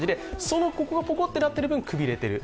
ここがぽこっとなっている分、くびれている。